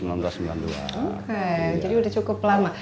oke jadi sudah cukup lama